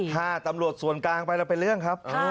ถ้าตำรวจส่วนกลางไปแล้วเป็นเรื่องครับ